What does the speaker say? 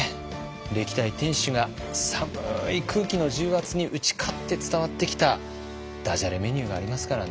歴代店主が寒い空気の重圧に打ち勝って伝わってきたダジャレメニューがありますからね。